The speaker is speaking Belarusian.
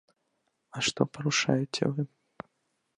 А што парушаеце вы?